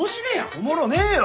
おもろねえわ！